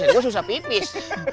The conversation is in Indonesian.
gue susah pipis